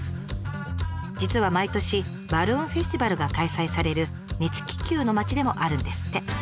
実は毎年バルーンフェスティバルが開催される熱気球の町でもあるんですって。